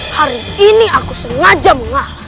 hari ini aku sengaja mengarah